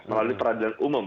melalui peradilan umum